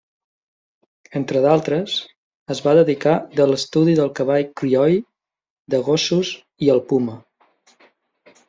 Entre d'altres, es va dedicar de l'estudi del cavall crioll, de gossos i al puma.